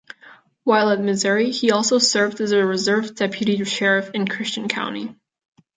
While at Missouri, he also served as a reserve deputy sheriff in Christian County.